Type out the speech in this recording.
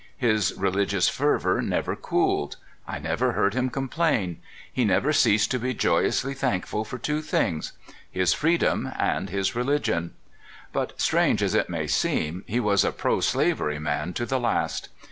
His religious fervor never cooled ; I never heard him complain. lie never ceased to be joyously thankful for two things: his freedom and his religion. But, strange as it may seem, he was a pro slavery man to the last.